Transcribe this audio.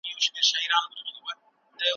روژه معدې ته استراحت ورکوي.